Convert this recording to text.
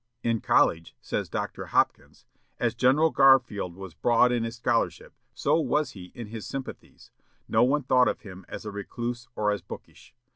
In college, says Dr. Hopkins, "as General Garfield was broad in his scholarship, so was he in his sympathies. No one thought of him as a recluse or as bookish.